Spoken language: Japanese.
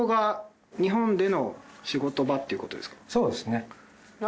そうですね。